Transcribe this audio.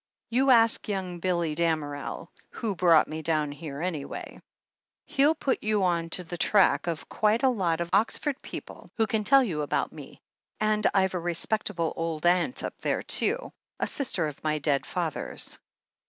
You ask young Billy Damerel, who brought me down here, anyway. He'll put you on to the track of quite a lot of Oxford people who can tell you about me, and I've a respectable old aunt up there, too, a sister of my dead father's.